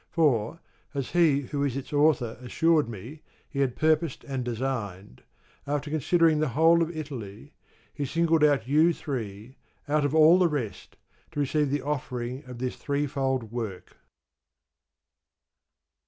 For, as he who is its author assured me he had purposed and designed, after considering the whole of Italy, he singled out you three, out of all the rest, to receive the offering of this three fold work.